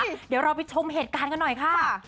เดี๋ยวเราไปชมเหตุการณ์กันหน่อยค่ะ